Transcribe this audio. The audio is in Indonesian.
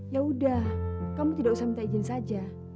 ya udah kamu tidak usah minta izin saja